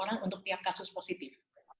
tiga puluh orang untuk tiap kasus positif